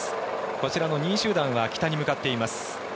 こちらの２位集団は北に向かっています。